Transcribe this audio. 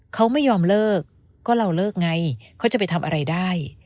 เขาไม่ยอมเลิกก็เราเลิกไงเขาจะไปทำอะไรได้